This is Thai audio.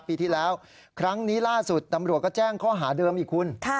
ปีที่แล้วครั้งนี้ล่าสุดตำรวจก็แจ้งข้อหาเดิมอีกคุณ